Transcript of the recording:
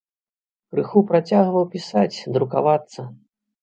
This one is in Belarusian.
Крыху працягваў пісаць, друкавацца.